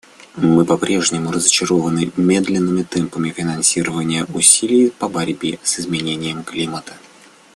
Мы по-прежнему разочарованы медленными темпами финансирования усилий по борьбе с изменением климата.